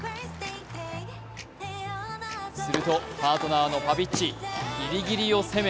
するとパートナーのパビッチ、ギリギリを攻め